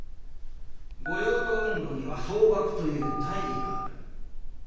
御用盗運動には倒幕という大義がある。